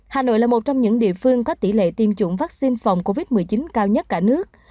hà nội là một trong những địa phương có tỷ lệ tiêm chủng vaccine phòng covid một mươi chín cao nhất cả nước